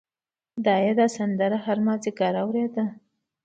دای دا سندره هر مازدیګر اورېده.